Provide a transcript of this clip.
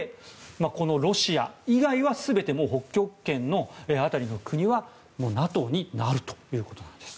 このロシア以外は全て北極圏の辺りの国はＮＡＴＯになるということなんです。